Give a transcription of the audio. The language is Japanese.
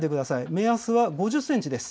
目安は５０センチです。